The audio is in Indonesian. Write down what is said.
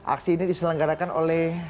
aksi ini diselenggarakan oleh